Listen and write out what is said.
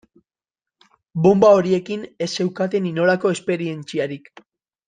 Bonba horiekin ez zeukaten inolako esperientziarik.